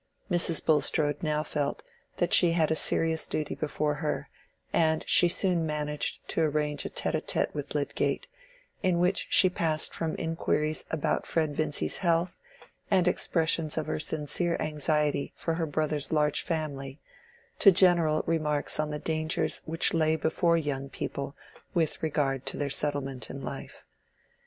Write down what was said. Mrs. Bulstrode now felt that she had a serious duty before her, and she soon managed to arrange a tête à tête with Lydgate, in which she passed from inquiries about Fred Vincy's health, and expressions of her sincere anxiety for her brother's large family, to general remarks on the dangers which lay before young people with regard to their settlement in life.